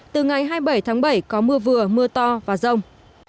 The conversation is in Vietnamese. từ ngày hai mươi bảy tháng bảy có mưa vừa mưa to và rông